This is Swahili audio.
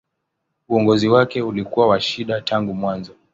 Uongozi wake ulikuwa wa shida tangu mwanzo.